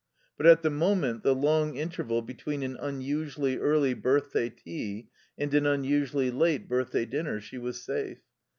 But at the moment, the long interval between an unusually early birthday tea and an unusually late birthday dinner, she was safe.